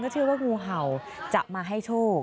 เชื่อว่างูเห่าจะมาให้โชค